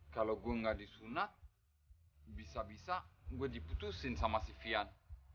kalau gue gak disunat bisa bisa gue diputusin sama si fian